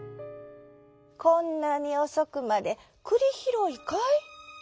こんなにおそくまでくりひろいかい？」。